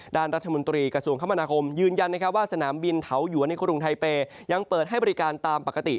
ด้านรัฐมนตรีกระทรวงคมนาคมยืนยันว่าสนามบินเถาหยวนในกรุงไทเปย์ยังเปิดให้บริการตามปกติ